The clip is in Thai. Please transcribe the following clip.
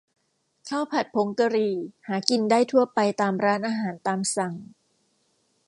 ข้าวผัดผงกะหรี่ หากินได้ทั่วไปตามร้านอาหารตามสั่ง